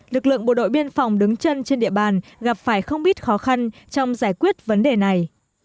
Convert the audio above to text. lực lượng bộ đội biên phòng đứng chân trên địa bàn gặp phải không biết khó khăn trong giải quyết vấn đề này